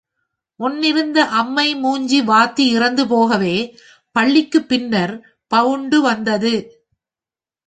முன்னிருந்த அம்மை மூஞ்சி வாத்தி இறந்து போகவே, பள்ளிக்குப் பின்னர், பவுண்டு வந்தது.